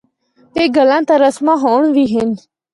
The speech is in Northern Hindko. اے گلاں تے رسماں ہونڑ وی ہن۔